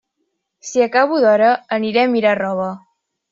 Si acabo d'hora, aniré a mirar roba.